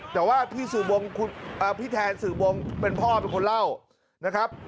แต่ว่าพี่แทนสื่อวงเป็นพ่อเป็นคนเล่านะครับ